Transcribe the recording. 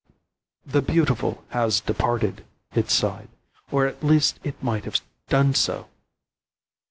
"The beautiful has departed," it sighed or at least it might have done so.